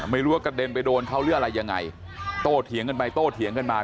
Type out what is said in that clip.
ไม่รู้ว่ากระเด็นไปโดนเขาหรืออะไรยังไงโตเถียงกันไปโต้เถียงกันมา